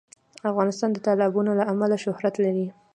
افغانستان د تالابونه له امله شهرت لري.